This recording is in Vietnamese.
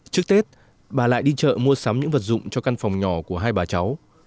trước tết bà lại đi chợ mua sắm những vật dụng cho căn phòng nhỏ của hai bà cháu